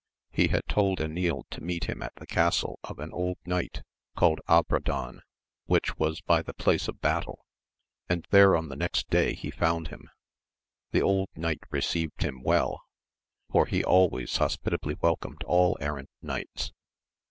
He had told Enil to meet him at the castle of an old knight, called Abradan, which was by the place of battle, and there on the next day he found him. The old knight received him well, for be always hospitably welcomed all errant knights.